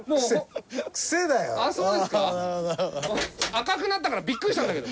赤くなったからビックリしたんだけど。